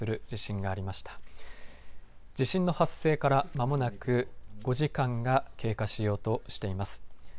地震の発生から間もなく５時間が経過しようとしています。